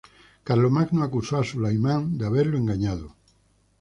Carlomagno acusó a Sulayman de haberlo engañado.